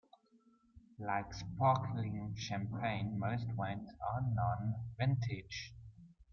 Like sparkling Champagne, most wines are non-vintage.